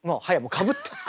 かぶって。